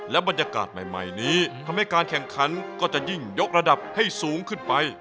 บรรยากาศใหม่นี้ทำให้การแข่งขันก็จะยิ่งยกระดับให้สูงขึ้นไป